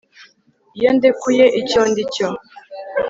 iyo ndekuye icyo ndi cyo